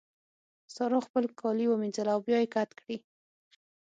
سارا خپل کالي ومينځل او بيا يې کت کړې.